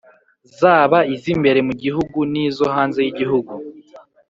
zaba iz'imbere mu gihugu n'izo hanze y'igihugu.